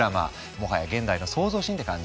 もはや現代の創造神って感じ？